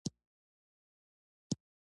افغانستان له مزارشریف ډک دی.